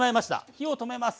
火を止めます。